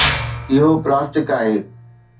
اهو پلاسٽڪ آهي.